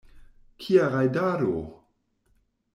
Kia rajdado?